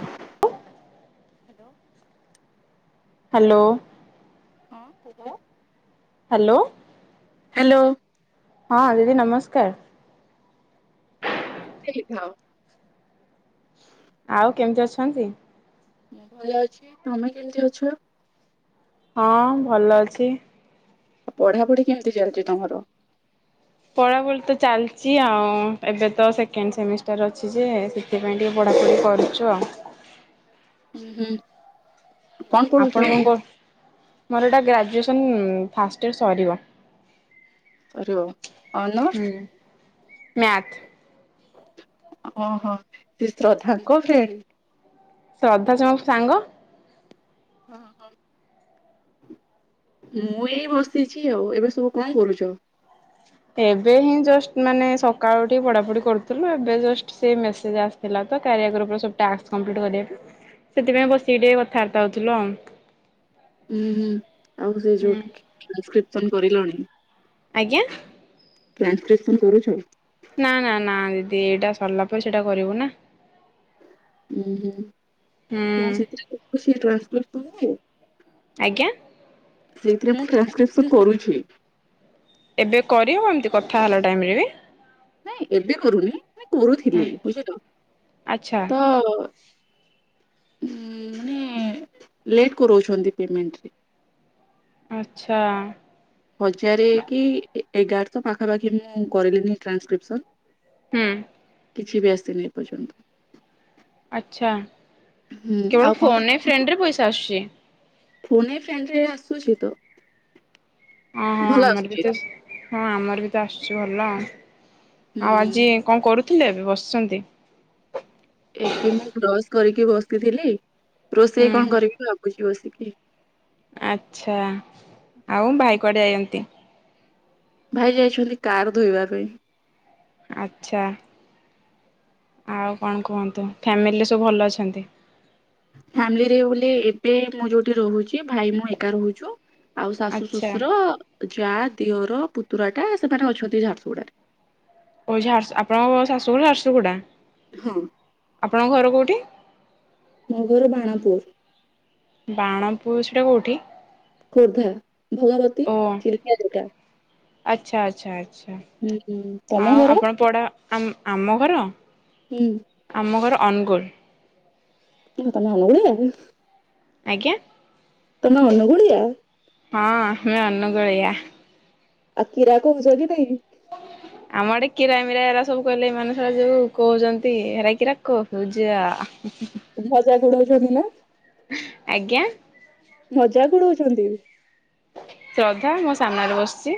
Hello. Hello? ହଁ କୁହ। Hello. Hello. ହଁ ଦିଦି ନମସ୍କାର। ବୁଢ଼ୀ ଟିଏ ହେଇଥାଅ। ଆଉ କେମିତି ଅଛନ୍ତି? ମୁଁ ଭଲ ଅଛି, ତମେ କେମତି ଅଛ? ହଁ ଭଲ ଅଛି। ଆଉ ପଢାପଢି କେମିତି ଚାଲିଚି ତମର? ପଢାପଢି ତ ଚାଲିଛି ଆଉ, ଏବେ ତ ସେକେଣ୍ଡ ସେମିଷ୍ଟାର ଅଛି ଯେ ସେଥିପାଇଁ ଟିକେ ପଢ଼ାପଢ଼ି କରିଚୁ ଆଉ। ହୁଁ ହୁଁ। କଣ ପଢୁଛ ଆପଣ କଣ କି କର, ମୋର ଏଇଟା ଗ୍ରାଜୁଏସନ୍ ଫାଷ୍ଟ ଇୟର ସରିବ। ସରିବ, ଅନର୍ସ? ମ୍ୟାଥ୍। ଓ ହଁ ସେ ଶ୍ରଦ୍ଧାଙ୍କ ଫ୍ରେଣ୍ଡ। ଶ୍ରଦ୍ଧା ତମ ସାଙ୍ଗ। [inaudible] ମୁଁ ଏଇ ବସିଚି ଆଉ ଏବେ ସବୁ କଣ କରୁଚ? ଏବେ ହିଁ ଜଷ୍ଟ ମାନେ ସକାଳୁଠି ପଢାପଢି କରୁଥିଲୁ। ଏବେ ଜଷ୍ଟ ସେଇ ମେସେଜ ଆସି ହେଲା ତ କାରିଆ ଗ୍ରୁପ ର ସବୁ ଟାସ୍ କମ୍ପ୍ଲିଟ୍ କରିବାକୁ। ସେଥିପାଇଁ ବସିକି ଟିକେ କଥାବାର୍ତ୍ତା ହଉଥିଲୁ ଆଉ। ହୁଁ ହୁଁ ଆଉ ସେଇ ଯୋଉ ହୁଁ ଟ୍ରାସକ୍ରିପସନ କରିଲଣି। ଆଜ୍ଞା। ଟ୍ରାନ୍ସଲେସନ୍ କରୁଛ। ନା ନା ନା ଦିଦି ଏଇଟା ସରିଲା ପରେ ସେଇଟା କରିବୁ ନା। ଉୁଁ ହୁଁ ମୁଁ ହୁଁ ସେଥିରେ ଟ୍ରାନ୍ସଲେଟ ଆଜ୍ଞା। ସେଇଥିରେ ମୁଁ ଟ୍ରାନ୍ସକ୍ରିପସନ କରୁଛି। ଏବେ କରିହେବ ଏମିତି କଥା ହେଲା ଟାଇମରେ ବି? ନାଇଁ ଏବେ କରୁନି ମାନେ କରୁଥିଲି ବୁଝିପାଇଲ ଆଚ୍ଛା ତ ମାନେ ଲେଟ୍ କରଉଛନ୍ତି ପେମେଣ୍ଟରେ। ଆଚ୍ଛା। ହଜାରେ କି ଏଗାରଶହ ପାଖାପାଖି ମୁଁ କରିଲିନି ଟ୍ରାନ୍ସକ୍ରିପସନ। ହୁଁ। କିଛି ବି ଆସିନି ଏପର୍ଯ୍ୟନ୍ତ। ଆଚ୍ଛା ହୁଁ ଆଉ କେବଳ କଣ ଫୋନ୍ ଏ ଫ୍ରେଣ୍ଡରେ ପଇସା ଆସୁଛି। ଫୋନ୍ ଏ ଫ୍ରେଣ୍ଡରେ ଆସୁଛି ତ। ହଁ ହଁ ଭଲ ଆମର ବି ଆସୁଛି। ତ ହଁ ଆମର ବି ତ ଆସୁଛି ଭଲ ହୁଁ ଆଉ ଆଜି କଣ କରୁଥିଲେ ଏବେ ବସିଛନ୍ତି। ଏବେ ମୁଁ ବ୍ରସ୍ କରିକି ବସିଥିଲି ରୋଷେଇ ହୁଁ କଣ କରିବି ଭାବୁଛି ବସିକି। ଆଛା ଆଉ ଭାଇ କୁଆଡେ ଯାଇଚନ୍ତି? ଭାଇ ଯାଇଛନ୍ତି କାର ଧୋଇବା ପାଇଁ। ଆଛା। ଆଉ କଣ କୁହନ୍ତୁ ଫ୍ୟାମିଲିରେ ସବୁ ଭଲ ଅଛନ୍ତି। ଫ୍ୟାମିଲିରେ ବୋଲି ଏବେ ମୁଁ ଯୋଉଠି ରହୁଛି ଭାଇ ମୁଁ ଏକା ରହୁଛୁ। ଆଉ ଶାଶୁ ଆଚ୍ଛା ଶ୍ୱଶୁର ଯା ଦିଅର ପୁତୁରା ଟା ସେମାନେ ଅଛନ୍ତି ଝାରସୁଗୁଡାରେ। ଓ ଝାରସ ଆପଣଙ୍କ ଶାଶୁଘର ଝାରସୁଗୁଡା। ହଁ। ଆପଣଙ୍କ ଘର କଉଁଠି? ମୋ ଘର ବାଣପୁର। ବାଣପୁର ସେଟା କଉଁଠି? ଖୋର୍ଦ୍ଧା ଭଗବତୀ ଚିିଲିକା ଯୋଉଟା। ଆଚ୍ଛା ଆଚ୍ଛା ଆଚ୍ଛା ହୁଁ ହୁଁ ତମ ଆଉ ଘର ଆପଣ ପଡ଼ା ଆ-ଆମ ଘର। ହୁଁ। ଆମ ଘର ଅନୁଗୁଳ। ତମେ ଅନୁଗୁଳରେ। ଆଜ୍ଞା। ତମେ ଅନୁଗୁଳିଆ? ହଁ ମୁଁ ଅନୁଗୁଳିଆ। ଆଉ କୀରା କହୁଛ କି ନାଇଁ। ଆମ ଆଡେ କିରା ମିିରା ଏରା ସବୁ କହିଲେ ଏ ମାନେ ଶଳା ଯୋଉ କହୁଛନ୍ତି ହେରା କିିରା କହୁଚ? ଭଜା ଘୋଡାଉଛନ୍ତି ନା? ଆଜ୍ଞା। ମଜାକ ଉଡୋଉଛନ୍ତି। ଶ୍ରଦ୍ଧା ମୋ ସାମ୍ନାରେ ବସିଛି।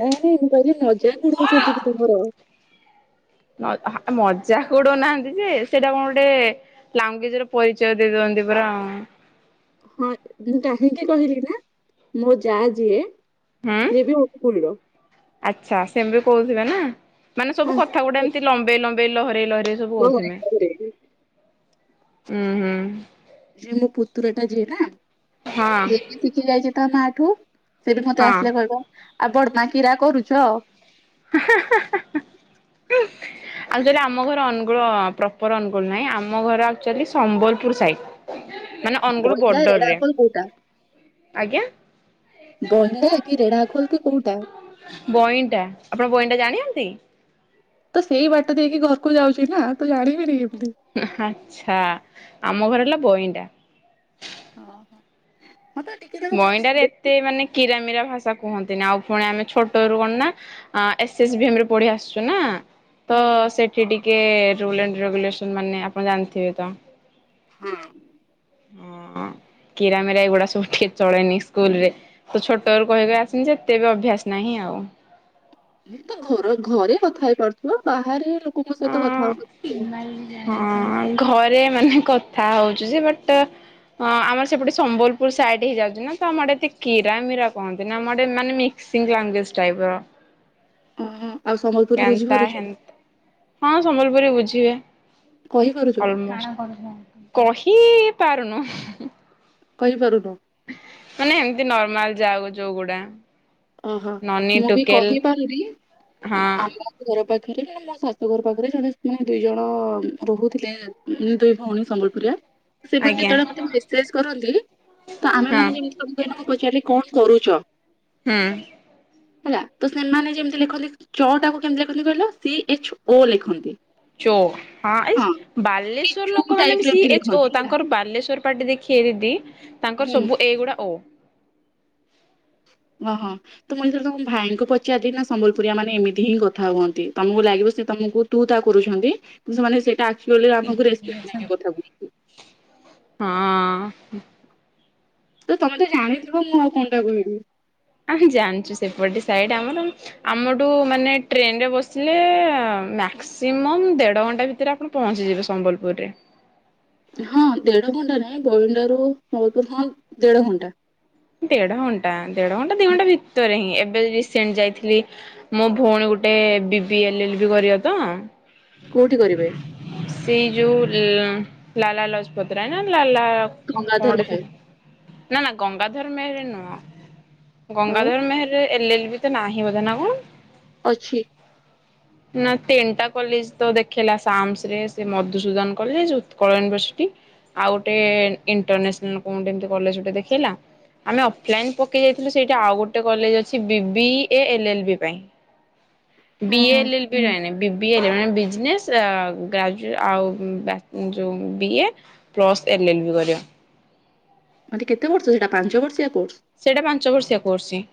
ନାଇଁ ନାଇଁ ମୁଁ କହିଲି ମଜାକ ଉଡୋଉଛନ୍ତି କି ତୁମର। ହ ଆ ମଜାକ ଉଡଉନାହାନ୍ତି ଯେ ସେଇଟା କଣ ଗୋଟେ ଲାଙ୍ଗୁଏଜର ପରିଚୟ ଦେଇ ଦିଅନ୍ତି ପରା। ହଁ ମୁଁ କାହିଁକି କହିଲି ନା ମୋ ଯା ଯିଏ ହୁଁ। ସିଏ ବି ଅନୁକୂଳର। ଆଚ୍ଛା ସେମ ବି କହୁଥିବେ ନା ମାନେ ହଁ ସବୁ କଥା ଗୋଟେ ସିଏ ଏମତି ଲମ୍ବେଇ ଲମ୍ବେଇ ଲହରେଇ ଲହରେଇ ସବୁ ମୋ କଥିମେ ଘରେ। ଉୁଁ ହୁଁ ସେ ମୋ ପୁତୁର ଟା ଯିଏ ନା ହଁ ସେ ବି ଶିଖି ଯାଇଛି ତା ମାଆଠୁ। ସେ ବି ମତେ ହଁ। ଆସିଲେ କହିବ ଆଉ ବଡମା କିରା କରୁଛ? [unintelligible] ଆଚୁଲି ଆମ ଘର ଅନୁଗୁଳ ପ୍ରପର ଅନୁଗୋଳ ନାଇଁ ଆମ ଘର ଆକ୍ଚୁଆଲି ସମ୍ବଲପୁର ସାଇଡ। ମାନେ ଅନୁଗୁଳ ବଇଲା ରେଡା ବର୍ଡରରେ ଆଜ୍ଞା। ବଇଟା କି ରେଢା ଖୋଲ କି କୋଉଟା? ବଇଁଟା ଆପଣ ବଇଁଟା ଜାଣିନାହାନ୍ତି? ତ ସେଇ ବାଟ ଦେଇକି ଘରକୁ ଯାଉଛି ନା ତୁ ଜାଣିବିନି କେମିତି। ଆଛା ଆମ ଘର ହେଲା ବଇଣ୍ଡା। ହଁ ହଁ ତ ଟିକେ ତାକୁ ମିକ୍ସ ବଇଁଣ୍ଡାରେ ହୁଁ ଏତେ ମାନେ କିରାମିରା ଭାଷା କୁହନ୍ତିନି ଆଉ ପୁଣି ଆମେ ଛୋଟ ରୁ କଣ ନା ଏସ୍ ଏସ୍ ଭି ଏମ ରେ ପଢି ଆସୁଛୁ ନା। ତ ହୁଁ ସେଠି ଟିକେ ରୁଲ ଆଣ୍ଡ ରେଗୁଲେସନ ମାନେ ଆପଣ ଜାଣିଥିବେ ତ। ହଁ କୀର ମିରା ଏଗୁଡା ସବୁ ଏଠି ଚଳେନି ସ୍କୁଲ ରେ ତ ଛୋଟ ରୁ କହିକି ଆସିନି ଯେ ଏତେ ବି ଅଭ୍ୟାସ ନାହିଁ ଆଉ। ତ ଘର ଘରେ କଥା ହେଇପାରୁଥିବ ବାହାରେ ଲୋକଙ୍କ ସହିତ କଥା [unintelligible] ହଁ ଘରେ ମାନେ କଥା ହଉଚୁ ଯେ ବଟ ହଁ ଆମର ସେପଟେ ସମ୍ବଲପୁର ସାଇଡ ହେଇ ଯାଉଛି ନା ତ ଆମର ଏେ କିୀରା ମୀରା କହନ୍ତି ନା ଆମରେ ମାନେ ମି ସିଙ୍ଗ ଲାଙ୍ଗଵେଜ ଟାଇପର। ଓହୋ ଆଉ ସମ୍ବଲପୁରୀ ବୁଝିପାରୁଛ? ହେନ୍ତା ହଁ ସମ୍ବଲପୁରୀ ବୁଝିହୁଏ କହିପାରୁଛ ଅଲ୍ ମୋଷ୍ଟ। କହି ପାରୁନୁ। କହିପାରୁନୁ। ମାନେ ଏମିତି ନର୍ମାଲ ଯାକ ଯୋଉଗୁଡା। ଓହୋ ନନି ମୁଁ ବି ଟୁକେଲ କହିପାରୁନି ହଁ ଆମ ଘର ପାଖରେ ମାନେ ମୋ ଶାଶୁ ଘର ପାଖରେ ଜଣେ ମାନେ ଦୁଇ ଜଣ ରହୁଥିଲେ ମୁଁ ଦୁଇ ଭଉଣୀ ସମ୍ବଲପୁରୀଆ ସେମାନେ ଆଜ୍ଞା ଯେତେବେଳେ ମତେ ମେସେଜ କରନ୍ତି ତ ଆମେ ହଁ ମାନେ ଯେମିତି ତମକୁ ଏଇନା ମୁ ପଚାରିଲି କଣ କରୁଛ? ହୁଁ ହେଲା ତ ସେମାନେ ଯେମିତି ଲେଖନ୍ତି ଚ ଟାକୁ କେମିତି ଲେଖନ୍ତି କହିଲ ସି ଏଚ ଓ ଲେଖନ୍ତି। ଚୋ ହଁ ଏ କି ବାଲେଶ୍ଵର ଚୁ ଲୋକମାନେ ଟାଇପ ବି ର ଏମିତି ସିଏ ଏଚ ଓ ଲେଖନ୍ତି ହେଲା ତାଙ୍କର ବାଲେଶଵର ପାଟି ଦେଖି ଦିଦି ତାଙ୍କର ହୁଁ ସବୁ ଏଗୁଡା ଓ। ଓହୋ ତ ମୁଁ ଯେଥିରେ ତମ ଭାଇଙ୍କୁ ପଚାର ଦି ନା ସମ୍ବଲପୁରଆ ମାନେ ଏମିତି ହିଁ କଥା ହୁଅନ୍ତି ତମକୁ ଲାଗିବ ସେ ତମକୁ ତୁ ତା କରୁଛନ୍ତି ସେମାନେ ସେଇଟା ଆକ୍ଚୁଲି ଆମକୁ ରେକ୍ସପେକ୍ଟ ନାହିଁ କଥାକୁ [inaudible] ହଁଅଁ। ତମେ ତ ଜାଣିଥିବ ମୁଁ ଆଉ କଣ ଟା କହିବି? ଆହାଁ ଜାଣିଛୁ ସେପଟେ ସାଇଟ ଆମର ଆମଠୁ ମାନେ ଟ୍ରେନରେ ବସିଲେ ମ୍ୟା ମ୍ୟାକ୍ସିମମ୍ ଦେଢ଼ ଘଣ୍ଟା ଭିତରେ ଆପଣ ପହଞ୍ଚିଯିବେ ସମ୍ବଲପୁରରେ। ହଁ ଦେଢ ଘଣ୍ଟା ନାଇଁ ବଳିଣ୍ଡାରୁ ହଁ ଦେଢ ଘଣ୍ଟା। ଦେଢ ଘଣ୍ଟା ଦେଢ ଘଣ୍ଟା ଦି ଘଣ୍ଟା ଭିତରେ ହିଁ ଏବେ ରିସେଣ୍ଟ ଯାଇଥିଲି ମୋ ଭଉଣୀ ଗୋଟେ B B L L B କରିବା ତ। କୋଉଠି କରିବେ? ସେଇ ଯୋଉ ଲାଲା ଲଜପତ ରାୟ ନା ଲାଲା କଣ ଗଙ୍ଗାଧର ଗୋଟେ ମେହେର ସେମିତି ନା ନା ଗଙ୍ଗା ଗଙ୍ଗାଧର ମେହେରରେ ନୁହଁ ଆଉ Gangadhar Meher L L B ତ ନାହିଁ ବୋଧେ ନା କଣ? ଅଛି। ନା ତିନିଟା କଲେଜ ତ ଦେଖେଇଲା ସାମ୍ସ ରେ ସେ ମଧୁସୂଦନ କଲେଜ, ଉତ୍କଳ ୟୁନିଭର୍ସିଟି ଆଉ ଗୋଟେ ଇଣ୍ଟରନ୍ୟାସନାଲ କଣ ଗୋଟେ ଏମିତି କଲେଜ ଗୋଟେ ଦେଖେଇଲ। ଆମେ ଅଫଲାଇନ ପକେଇ ଦେଇଥିଲୁ ସେଇଠା ଆଉ ଗୋଟେ କଲେଜ ଅଛି B B A L L B ପାଇଁ। ହଁ ବି ଏ ହଁ ବି ବି ନାଇ ନାଇ ବି ବି ଏଲ ମାନେ ବିଜନେସ ଆଉ ଗ୍ରାଯୁ ଆଉ ବ୍ୟା ଯୋଉ B A plus L L B କରିବ। ମାନେ କେତେ ବର୍ଷ ସେଟା ପାଞ୍ଚ ବର୍ଷିଆ କୋର୍ସ? ସେଇଟା ପାଞ୍ଚ ବର୍ଷିଆ କୋର୍ସ ହି।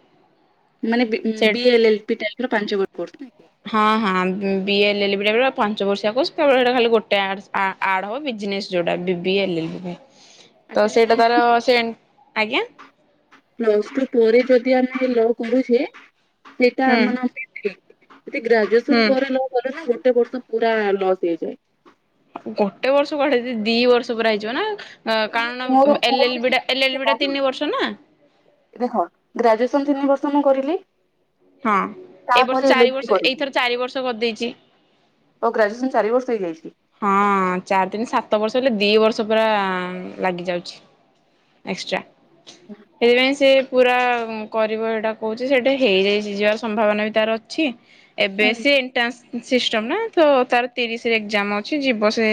ମାନେ B A L L B type ର ପାଞ୍ଚବର୍ଷିଆ କୋର୍ସ ପାଇଁ। ହଁ-ହଁ B A L L B ଟା ଗୋଟେ ପାଞ୍ଚ ବର୍ଷିଆ କୋର୍ସ କେବଳ ଏଇଟା ଖାଲି ଗୋଟେ ଆର୍ଟ୍ସ ଆ ଆଡ ହଉ ବିଜନେସ ଯୋଉଟା B B L L B. ତ ସେଇଟା ଆସିଲେ ତାର ସେ ଆଜ୍ଞା [inaudible] ପ୍ଲସ ଟୁ ପରେ ଯଦି ଆମେ ଏ ଲଅ କରୁଚେ ସେଇଟା ହୁଁ ଆମ ମାନଙ୍କ ପାଇଁ ଯଦି ଗ୍ରାଜୁଏସନ ହୁଁ ପରେ ଲଅ କଲେ ନା ଗୋଟେ ବର୍ଷ ପୁରା ଲସ୍ ହେଇଯାଏ। ଗୋଟେ ବର୍ଷ କୁଆଡେ ସେ ଦିଇ ବର୍ଷ ପୁରା ହେଇଯିବ ନା। କାରଣ ମୋର ମୋର ଏଲ ଏଲ ବି ଟା ଏଲ ଏଲ ବି ଟା ତିନି ବର୍ଷ ନା। ହଁ ଗ୍ରାଜୁଏସନ ତିନି ବର୍ଷ ମୁଁ କରିଲି। ହଁ ଏ ତାପରେ ବର୍ଷ ଚାରି ଏଲଏଲବି ବର୍ଷ କରିଲି ଏଇଥର ଚାରି ବର୍ଷ କରିଦେଇଛି। ଓ ଗ୍ରାଜୁଏସନ ଚାରି ବର୍ଷ ହେଇଯାଇଛି। ହଁ ଚାରି ତିନି ସାତ ବର୍ଷ ହେଲେ ଦିଇ ବର୍ଷ ପୁରା ଲାଗି ଯାଉଛି। ଏକ୍ସଟ୍ରା ସେଥିପାଇଁ ସେ ପୁରା କରିବ ଏଇଟା କହୁଛି ସେଇଟା ହେଇଯାଇଛି ଯିବାର ସମ୍ଭାବନା ବି ତାର ଅଛି। ଏବେ ହୁଁ ସେ ଏଣ୍ଟ୍ରାନ୍ସ ସିଷ୍ଟମ ନା ତ ତାର ତିରିଶରେ ଏକ୍ଜାମ ଅଛି। ସିଏ ଯିବ ସେ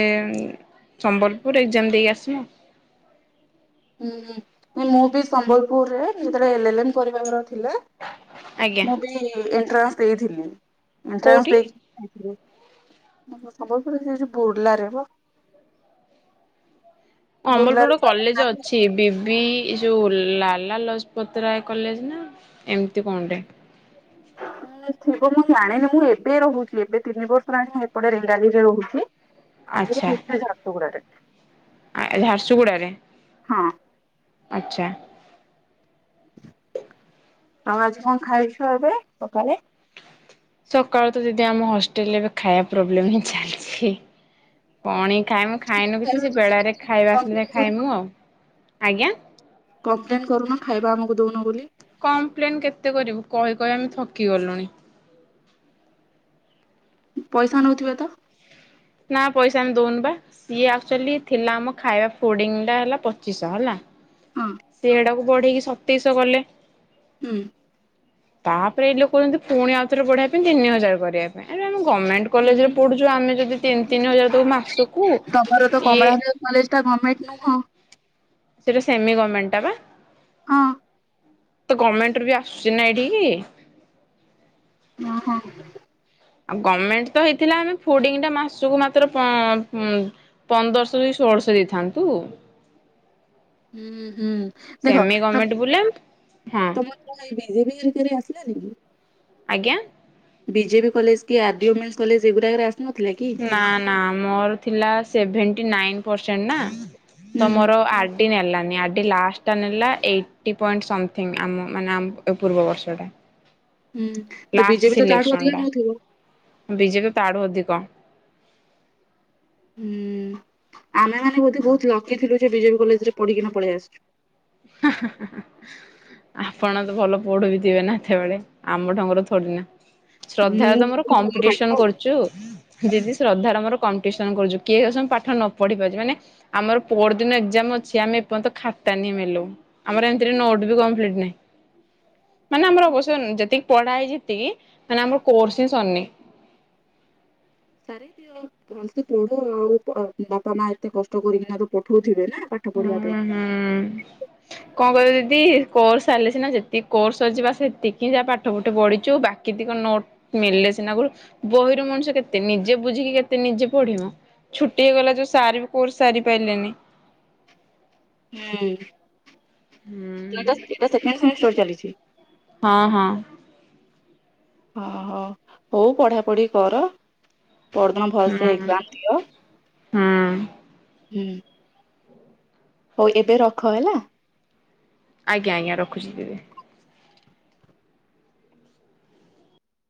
ସମ୍ବଲପୁର ଏକ୍ଜାମ ଦେଇ ଆସିବ। ହୁଁ-ହୁଁ ମୁଁ ବି ସମ୍ବଲପୁରରେ ଯେତେବେଳେ ଏଲ ଏଲ ଏମ୍ କରିବାର ଥିଲା ଆଜ୍ଞା ମୁଁ ବି ଏଣ୍ଟ୍ରାନ୍ସ ଦେଇଥିଲି ଏଣ୍ଟ୍ରାନ୍ସ କୋଉଠି? ଦେଇ ଓହୋ ସମ୍ବଲପୁରରେ ସେ ଯୋଉ ବୁର୍ଲାରେ ବା। ବୁର୍ଲାରେ ସମ୍ବଲପୁରରେ ଗୋଟେ ତ କଲେଜ ନାହିଁ ଅଛି ବିି ବି ଏଇ ଯୋଉ ଲାଲା ଲଜପତ ରାୟ କଲେଜ ନା ଏମିତି କଣ ଗୋଟେ। ଉଁ ଥିବ ମୁଁ ଜାଣିନି ମୁଁ ଏବେ ରହୁଛି ଏବେ ତିନି ବର୍ଷ ହେଲାଣି ଏପଟେ ରେଙ୍ଗାଲିରେ ରହୁଛି। ଆଗରୁ ଆଚ୍ଛା ରୁହେ ଝାରସୁଗୁଡ଼ାରେ। ଏ ଝାରସୁଗୁଡ଼ାରେ। ହଁ। ଆଚ୍ଛା। ଆଉ ଆଜି କଣ ଖାଇଛ ଏବେ ସକାଳେ? ସକାଳୁ ତ ଦିଦି ଆମ ହଷ୍ଟେଲରେ ଏବେ ଖାଇବା ପ୍ରୋବ୍ଲେମ ହିଁ ଚାଲିଛି। ପଣି ଖାଇମୁ ଖାଇନୁ କିଛି ସେ ବେଳାରେ ଖାଇବା ଆସିଲେ ଯାଇ ଖାଇମୁ ଆଉ ଆଜ୍ଞା। କମ୍ପ୍ଲେନ୍ କରୁନ ଖାଇବା ଆମକୁ ଦଉନ ବୋଲି। କମ୍ପ୍ଲେନ୍ କେତେ କରିବୁ କହି କହି ଆମେ ଥକିଗଲୁଣି। ପଇସା ନଉଥିବେ ତ? ନା ପଇସା ଆମେ ଦଉନୁ ବା ସିଏ ଆକ୍ଚୁଆଲି ଥିଲା ଆମ ଖାଇବା ଫୁଡିଙ୍ଗ ଟା ହେଲା ପଚିଶହ ହେଲା। ହଁ। ସିଏ ହେଡାକୁ ବଢେଇକି ସତେଇଶ କଲେ। ହୁଁ। ତାପରେ ଏଇ ଲୋକ କହୁଚନ୍ତି ପୁଣି ଆଉଥରେ ବଢେଇବା ପାଇଁ ତିନି ହଜାର କରିବା ପାଇଁ। ଆରେ ଆମେ ଗମେଣ୍ଟ କଲେଜ ରେ ପଢୁଛୁ ଆମେ ଯଦି ତିନି ତିନି ହଜାର ଦୋମୁ ମାସକୁ ତମର ତ ଇଏ କମଳା ନେହେରୁ କଲେଜ ଟା ଗମେଣ୍ଟ ନୁହଁ। ସେଇଟା ସେମି ଗମେଣ୍ଟ ବା। ହଁ। ତ ଗମେଣ୍ଟରୁ ବି ଆସୁଛି ନା ଏଇଠିକି। ଓ ହୋ। ଆଉ ଗଭଣମେଣ୍ଟ ତ ହେଇଥିଲା ଆମେ ଫୁଡିଙ୍ଗ ଟା ମାସକୁ ମାତ୍ର ପ ପୂ ପନ୍ଦରଶହ କି ଷୋଳଶହ ଦେଇଥାନ୍ତୁ। ହୁଁ ହୁଁ। ଦେଖ ସେମି ତମ ଗଭର୍ଣ୍ଣମେଣ୍ଟ ବୋଲେ ହଁ ତମର କଣ ଏଇ ବି ଜେ ବି ରେ ଆସିଲାନି କି? ଆଜ୍ଞା। ବି ଜେ ବି କଲେଜ କି ଆର୍ ଡି ଓମେନ୍ସ କଲେଜ ଏଗୁଡାକରେ ଆସିନଥିଲା କି? ନା ନା ମୋର ଥିଲା ସେଭେଣ୍ଟି ନାଇନ ପରସେଣ୍ଟ ନା ହୁଁ ତ ହୁଁ। ମର ଆର ଡି ନେଲାନି ଆର୍ ଡି ଲାଷ୍ଟଟା ନେଲା ଏଇଟି ପଏଣ୍ଟ ସମଥିଙ୍ଗ ଆମ ମାନେ ଆମ ଏ ପୂର୍ବବର୍ଷଟା। ହୁଁ ତ ବି ଜେ ବି ତା ଠୁ ଅଧିକ ନଉଥିବ। ବି ଜେ ବି ତା ଠୁ ଅଧିକ। ହୁଁ ଆମେ ମାନେ ବୋଧେ ବହୁତ ଲକି ଥିଲୁ ସେଇ ବି ଜେ ବି କଲେଜ ରେ ପଢିକିନା ପଳେଇ ଆସିଛୁ। [inaudible] ଆପଣ ତ ଭଲ ପଢୁ ବି ଥିବେ ନା ଏତେବେଳେ ଆମ ଢଙ୍ଗର ଥୋଡି ନା। ଶ୍ରଦ୍ଧାର ମୁଁ ତ ମୋର ଏତେ ଭଲ କମ୍ପିଟିସନ ପାଠ କରୁ ଚୁ ଯଦି ଶ୍ରଦ୍ଧାର ମୋର କମ୍ପିଟ୍ସନ କରୁଛୁ କିଏ ବେଶୀ ସ ପାଠ ନ ପଢି ପାରୁଚି ମାନେ ଆମର ପରଦିନ ଏକ୍ଜାମ ଅଛି ଆମେ ଏପର୍ଯ୍ୟନ୍ତ ଖାତା ନିି ମେଲୁ ଆମର ଏମିତିରେ ନୋଟ୍ ବି କମ୍ପ୍ଲିଟ ନାହିଁ। ମାନେ ଆମର ଅବଶ୍ୟ ଯେତିକି ପଢାହେଇ ଯେତିକି ମାନେ ଆମର କୋର୍ସ ହି ସରିନି। [unintelligible] ହୁଁ [unintelligible] ହୁଁ। କଣ କହିବ ଦିଦି କୋର୍ସ ସାରିଲେ ସିନା ଯେତିକି କୋର୍ସ ଅଛିିବା ସେତିକିଁ ଯାହା ପାଠ ପୁଠି ପଢ଼ିଛୁ ବାକି ଟିକ ନୋଟ୍ ମିଳିଲେ ସିନା ଗରୁ ବହିର ମଣିଷ କେତେ ନିଜେ ବୁଝିକି କେତେ ନିଜେ ପଢିବ। ଛୁଟି ହେଇଗଲା ଯୋଉ ସାର୍ ବି କୋର୍ସ ସାରି ପାଇଲେନି। ହୁଁ ତ ଏଇଟା ସେକ୍ ସେକଣ୍ଡ ସେମିଷ୍ଟାର ଚାଲିଚି। ହଁ ହଁ। ହଁ ହଁ ହଉ ପଢାପଢି କର ପହରଦିନ ଭଲସେ ହୁଁ ଏକଜାମ୍ ଦିଅ। ହୁଁ ହୁଁ। ହଉ ଏବେ ରଖ ହେଲା। ଆଜ୍ଞା ଆଜ୍ଞା ରଖୁଛି ଦିଦି।